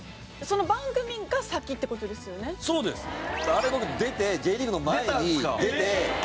あれ僕出てＪリーグの前に出て。